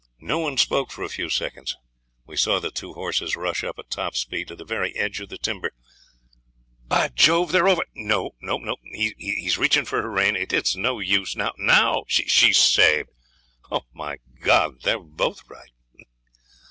No one spoke for a few seconds. We saw the two horses rush up at top speed to the very edge of the timber. 'By Jove! they're over. No! he's reaching for her rein. It's no use. Now now! She's saved! Oh, my God! they're both right.